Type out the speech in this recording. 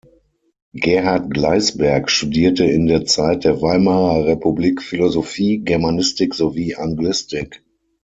Gerhard Gleißberg studierte in der Zeit der Weimarer Republik Philosophie, Germanistik sowie Anglistik.